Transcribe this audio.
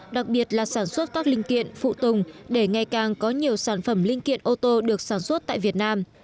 đặc biệt là sản xuất các linh kiện phụ tùng để ngày càng có nhiều sản phẩm linh kiện ô tô được sản xuất tại việt nam